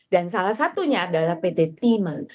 dan salah satunya adalah pt timan